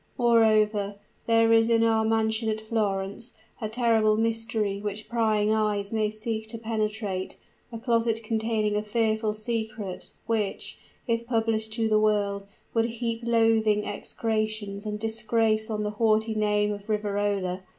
Moreover, there is in our mansion at Florence, a terrible mystery which prying eyes may seek to penetrate, a closet containing a fearful secret, which, if published to the world, would heap loathing execrations and disgrace on the haughty name of Riverola!